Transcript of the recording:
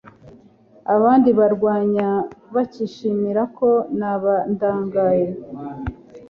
abandi bandwanya bakishimira ko nabandagaye